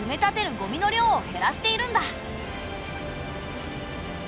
ゴミの量を減らしているんだ。